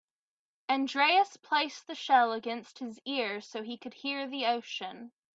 Andreas placed the shell against his ear so he could hear the ocean.